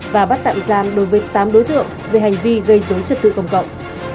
và bắt tạm giam đối với tám đối tượng về hành vi gây dối trật tự công cộng